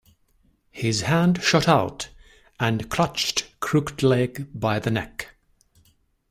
His hand shot out and clutched Crooked-Leg by the neck.